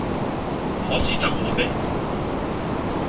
可是怎好呢？